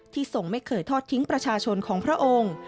ทรงไม่เคยทอดทิ้งประชาชนของพระองค์